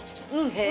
へえ。